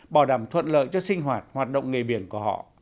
bảo đảm thuận lợi cho sinh hoạt hoạt động nghề biển của họ